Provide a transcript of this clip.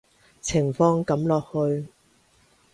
情況噉落去